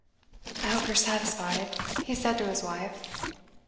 'I hope you're satisfied,' he said to his wife.